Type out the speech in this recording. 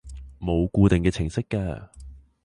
冇固定嘅程式㗎